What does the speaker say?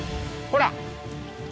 ほら！